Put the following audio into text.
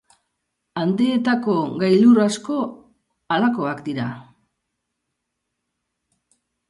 Andeetako gailur asko halakoak dira.